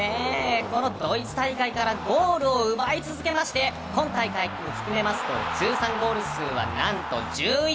このドイツ大会からゴールを奪い続けまして今大会を含めますと通算ゴール数は何と１１。